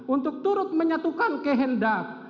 untuk turut menyatukan kehendak